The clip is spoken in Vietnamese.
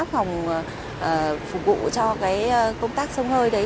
phòng phục vụ cho cái công tác sông hơi đấy